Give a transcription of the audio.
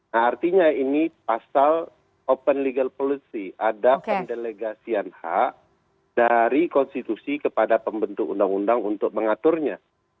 nah artinya ini pasal open legal policy ada pendelegasian hak dari konstitusi kepada pembentuk undang undang untuk mengaturnya